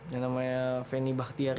yang namanya feni bahtiari